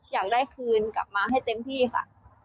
อยากได้คืนกลับมาให้เต็มที่ค่ะ